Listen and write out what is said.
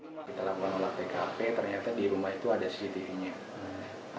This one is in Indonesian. kita lakukan olah pkp ternyata di rumah itu ada cctv nya